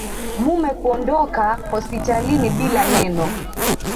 Mume kuondoka hospitalini bila neno